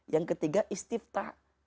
yang ketiga istiftah